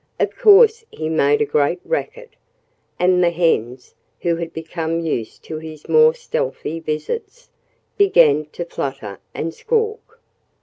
Of course he made a great racket. And the hens, who had become used to his more stealthy visits, began to flutter and squawk.